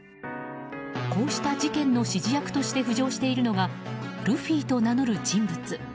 こうした事件の指示役として浮上しているのがルフィと名乗る人物。